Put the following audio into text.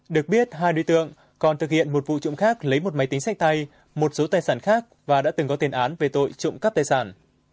được biết hai đối tượng còn thực hiện một vụ trộm khác lấy một máy tính sách tay một số tài sản khác và đã từng có tiền án về tội trộm cắp tài sản